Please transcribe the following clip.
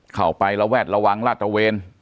เข้าไปแล้วแวดระวังราชเตอร์เวน